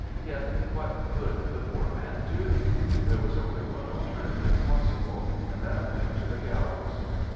Yet, what could the poor man do ? There was only one alternative possible, and that led to the gallows.